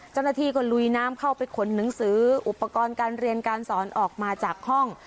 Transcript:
เจ้าหน้าที่ก็ลุยน้ำเข้าไปขนหนังสืออุปกรณ์การเรียนการสอนออกมาจากห้อง